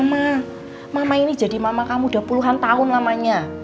mama ini jadi mama kamu udah puluhan tahun lamanya